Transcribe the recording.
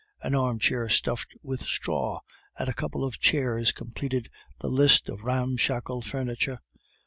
An armchair stuffed with straw and a couple of chairs completed the list of ramshackle furniture.